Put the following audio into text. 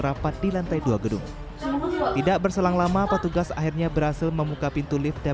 rapat di lantai dua gedung tidak berselang lama petugas akhirnya berhasil membuka pintu lift dan